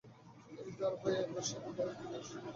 তিনি তার ভাই এন্ড্রোর সাথে ইতালিতে ফিরে আসেন।